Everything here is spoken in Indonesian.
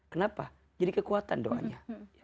kenapa jadi kekuatan doanya